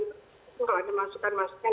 tidak ada masukan masukan